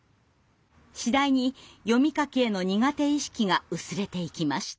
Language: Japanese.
次第に読み書きへの苦手意識が薄れていきました。